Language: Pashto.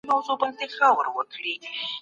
غازي امان الله خان د ښځو لپاره نوي قوانین جوړ کړل.